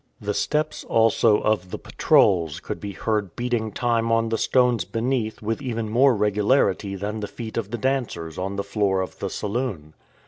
The steps also of the patrols could be heard beating time on the stones beneath with even more regularity than the feet of the dancers on the floor of the saloon.